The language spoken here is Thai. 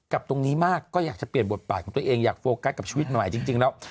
ตรงนี้มากก็อยากจะเปลี่ยนบทบาทของตัวเองอยากโฟกัสกับชีวิตหน่อยจริงแล้ว